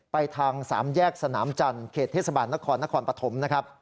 ไปทางสามแยกสนามจันทร์เขตเทศบาลนครนครปฐมนะครับ